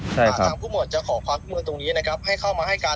ถามผู้หมดจะขอพากลมือตรงนี้ให้เข้ามาให้การ